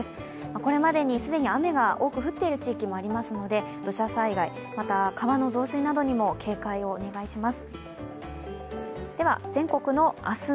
これまでに既に雨が多く降っている地域もありますので土砂災害、川の増水にも警戒をお願いします。